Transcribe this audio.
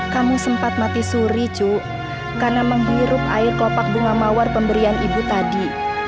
kamu sempat mati suri cuk karena menghirup air kelopak bunga mawar pemberian ibu tadi